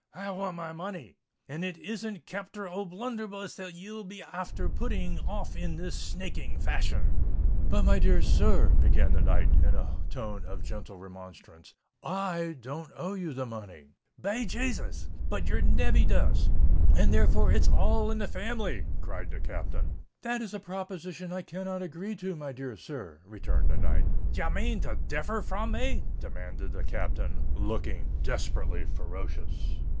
"I want my money—and it isn't Captain O'Bluntherbuss that ye'll be afther putting off in this snaking fashion." "But, my dear sir," said the knight, in a tone of gentle remonstrance, "I don't owe you the money." "Be Jasus! but your nev vy does—and therefore it's all in the family!" cried the Captain. "That is a proposition I cannot agree to, my dear sir," returned the knight. "D' ye mane to differ from me?" demanded the Captain, looking desperately ferocious.